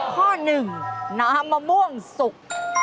ข้อหนึ่งน้ำมะม่วงสุก